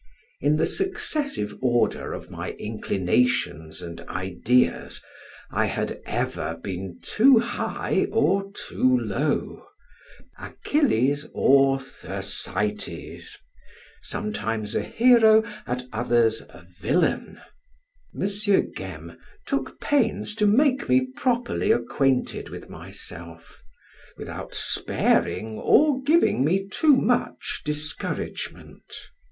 In the successive order of my inclinations and ideas, I had ever been too high or too low. Achilles or Thersites; sometimes a hero, at others a villain. M. Gaime took pains to make me properly acquainted with myself, without sparing or giving me too much discouragement.